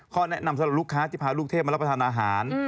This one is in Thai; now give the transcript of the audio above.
แนะนำสำหรับลูกค้าที่พาลูกเทพมารับประทานอาหาร